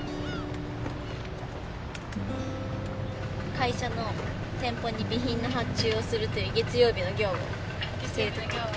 会社の店舗に備品の発注をするという月曜日の業務をしてるみたいです。